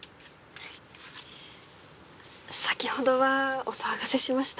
先ほどはお騒がせしました。